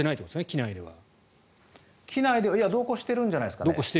機内では同行してるんじゃないですかね。